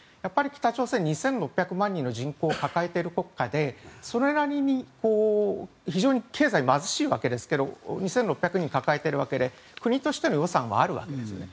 北朝鮮は２６００万人の人口を抱えている国家でそれなりに非常に経済は貧しいわけですけど２６００万人抱えているわけで国としての予算はあるんですね。